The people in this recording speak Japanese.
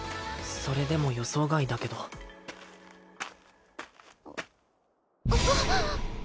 それでも予想外だけどあえっ！？